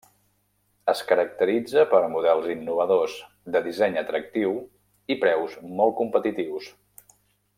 Es caracteritza per models innovadors, de disseny atractiu i preus molt competitius.